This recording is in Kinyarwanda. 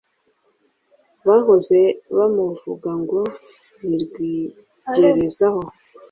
bahoze bamuvuga ngo ni rwigerezaho